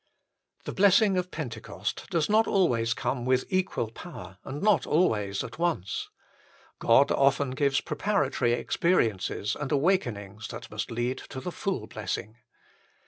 The blessing of Pentecost does not always come with equal power and not always at once. God often gives preparatory experiences and awakenings that must lead to the full blessing.